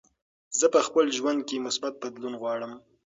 زه په خپل ژوند کې مثبت بدلون غواړم.